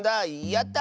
やった！